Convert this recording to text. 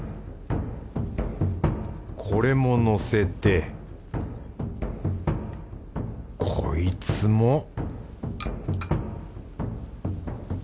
これものせてこいつも